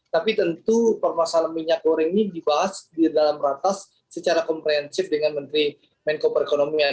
tapi tentu permasalahan minyak goreng ini dibahas di dalam ratas secara komprehensif dengan menteri menko perekonomian